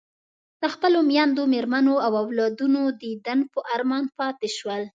د خپلو میندو، مېرمنو او اولادونو د دیدن په ارمان پاتې شول.